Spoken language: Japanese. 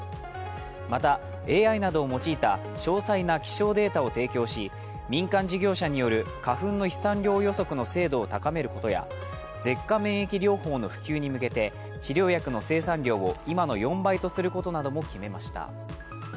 またＡＩなどを用いた詳細な気象データを提供し民間事業者による花粉の飛散量予測の精度を高めることや舌下免疫療法の普及に向けて治療薬の生産量を今の４倍とすることなども決めました。